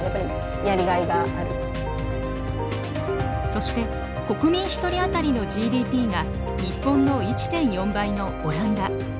そして国民一人当たりのＧＤＰが日本の１．４倍のオランダ。